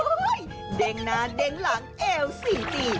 เด้งหน้าเด้งหลังเอวสี่ตี